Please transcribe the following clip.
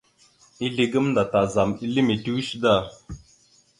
Ezle gamənda ma tazam ele mitəweshe da.